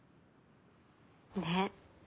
ねえ。